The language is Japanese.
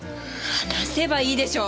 話せばいいでしょ？